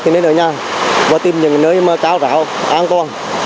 thì nên ở nhà và tìm những nơi cao rạo an toàn